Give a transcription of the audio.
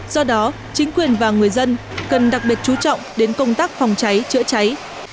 do đó chính quyền và người dân cần đặc biệt chú trọng đến công tác phòng cháy chữa cháy